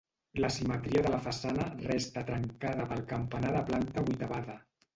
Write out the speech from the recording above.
La simetria de la façana resta trencada pel campanar de planta vuitavada.